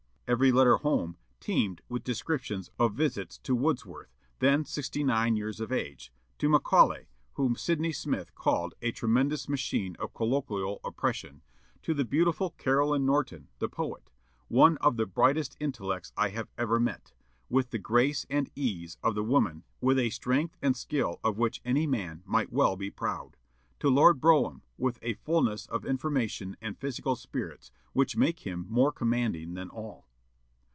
Every letter home teemed with descriptions of visits to Wordsworth, then sixty nine years of age; to Macaulay, whom Sydney Smith called "a tremendous machine for colloquial oppression;" to the beautiful Caroline Norton, the poet, "one of the brightest intellects I have ever met," with "the grace and ease of the woman, with a strength and skill of which any man might well be proud;" to Lord Brougham, with "a fulness of information and physical spirits, which make him more commanding than all."